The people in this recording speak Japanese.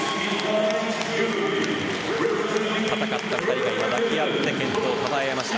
戦った２人が今、抱き合って健闘をたたえ合いました。